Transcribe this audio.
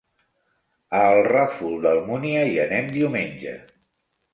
A el Ràfol d'Almúnia hi anem diumenge.